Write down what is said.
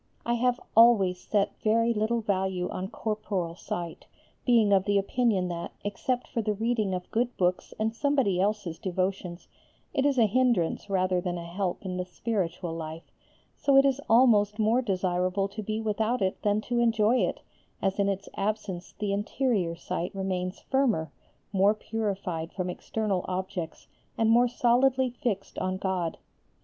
I have always set very little value on corporal sight, being of opinion that, except for the reading of good books and somebody else's devotions, it is a hindrance rather than a help in the spiritual life, so it is almost more desirable to be without it than to enjoy it, as in its absence the interior sight remains firmer, more purified from external objects, and more solidly fixed on God.